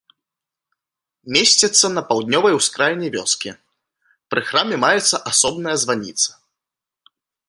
Месціцца на паўднёвай ускраіне вёскі, пры храме маецца асобная званіца.